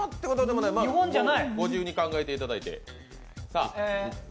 ご自由に考えていただいて。